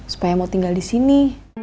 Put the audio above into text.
supaya mau tinggal disini